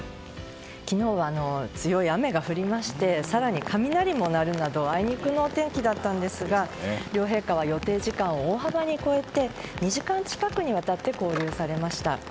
昨日は強い雨が降りまして皿に雷も鳴るなどあいにくのお天気だったんですが両陛下は予定時間を大幅に超えて２時間近くにわたって交流されました。